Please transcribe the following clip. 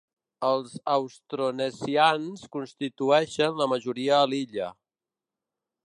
Els austronesians constitueixen la majoria a l'illa.